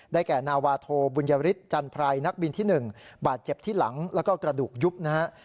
ได้แก่นาวาโธบุญริตจันทรายนักบินที่๑บาดเจ็บที่หลังและกระดูกยุบนะครับ